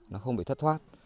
nó không bị thất thoát